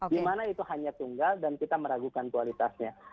dimana itu hanya tunggal dan kita meragukan kualitasnya